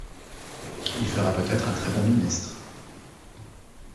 Il fera peut-être un très bon ministre.